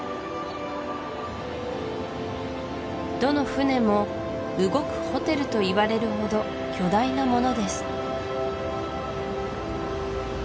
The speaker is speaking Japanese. どの船も動くホテルといわれるほど巨大なものです